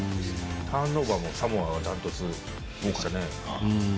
ターンオーバーもサモアがダントツでしたね。